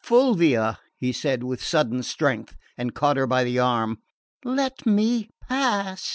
"Fulvia!" he said with sudden strength, and caught her by the arm. "Let me pass!"